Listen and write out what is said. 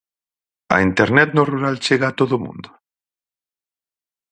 A internet no rural chega a todo o mundo?